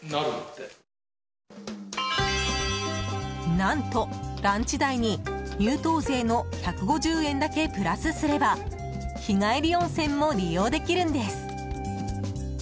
何とランチ代に、入湯税の１５０円だけプラスすれば日帰り温泉も利用できるんです。